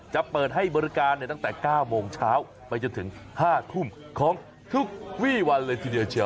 จะเปิดให้บริการตั้งแต่๙โมงเช้าไปจนถึง๕ทุ่มของทุกวี่วันเลยทีเดียวเชียว